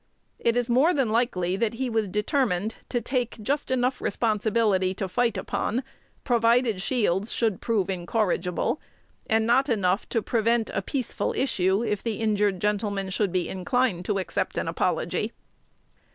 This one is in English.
It is more than likely that he was determined to take just enough responsibility to fight upon, provided Shields should prove incorrigible, and not enough to prevent a peaceful issue, if the injured gentleman should be inclined to accept an apology.